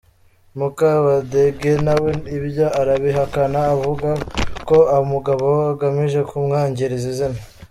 Mukabadege nawe ibyo arabihakana akavuga ko umugabo agamije kumwangiriza izina.